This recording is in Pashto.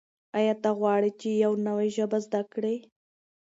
آیا ته غواړې چې یو نوی ژبه زده کړې؟